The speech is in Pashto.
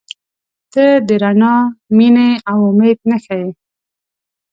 • ته د رڼا، مینې، او امید نښه یې.